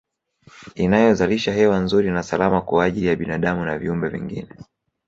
Inayozalisha hewa nzuri na salama kwa ajili ya binadamu na viumbe vingine